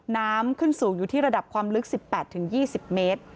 น้ำขึ้นสูงอยู่ที่ระดับความลึก๑๘๒๐เมตร